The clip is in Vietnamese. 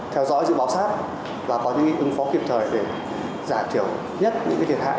theo dõi dự báo sát và có những ứng phó kịp thời để giảm thiểu nhất những thiệt hại